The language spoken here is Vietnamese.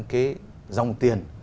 cái dòng tiền